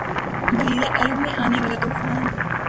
بحیرہ عرب میں آنے والا ’طوفان